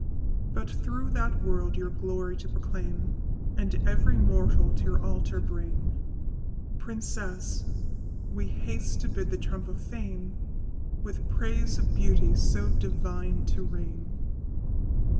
But through that world your glory to proclaim, And every mortal to your altar bring, Princess, we haste to bid the trump of Fame With praise of beauty so divine to ring.